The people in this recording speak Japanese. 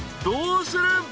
［どうする？